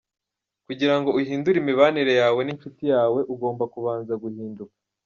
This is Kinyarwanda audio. kugira ngo uhindure imibanire yawe n’inshuti yawe ,ugomba kubanza guhinduka.